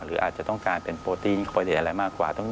หรืออาจจะต้องการเป็นโปรตีนคอยเรียนอะไรมากกว่า